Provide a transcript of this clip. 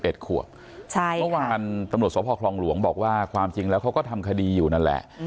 เมื่อวานตำรวจสพคลองหลวงบอกว่าความจริงแล้วเขาก็ทำคดีอยู่นั่นแหละ